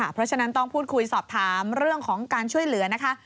เพราะฉะนั้นต้องพูดคุยสอบถามเรื่องของการช่วยเหลือนะคะ